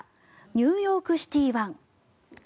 「ニューヨークシティ１」